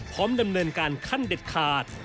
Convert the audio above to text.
ดำเนินการขั้นเด็ดขาด